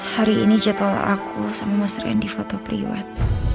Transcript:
hari ini jadwal aku sama mas randy foto priwat